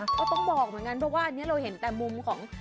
ก็ต้องบอกเหมือนกันเพราะว่าอันนี้เราเห็นแต่มุมของ